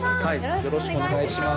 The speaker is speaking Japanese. よろしくお願いします。